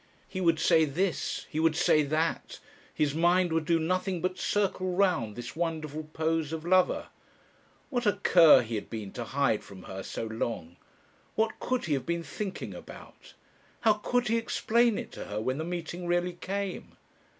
He would say this, he would say that, his mind would do nothing but circle round this wonderful pose of lover. What a cur he had been to hide from her so long! What could he have been thinking about? How could he explain it to her, when the meeting really came?